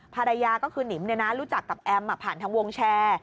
ภรรยาก็คือหนิมรู้จักกับแอมผ่านทางวงแชร์